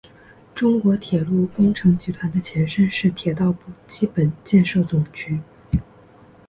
中国铁路工程集团的前身是铁道部基本建设总局。